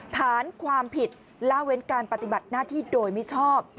ฐานความผิดล่าเว้นการปฏิบัติหน้าที่โดยมิชอบ